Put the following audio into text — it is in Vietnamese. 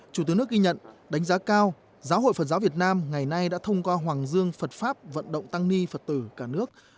chủ tịch nước ghi nhận đánh giá cao giáo hội phật giáo việt nam ngày nay đã thông qua hoàng dương phật pháp vận động tăng ni phật tử cả nước